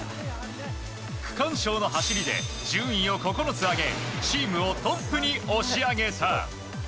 区間賞の走りで順位を９つ上げチームをトップに押し上げた。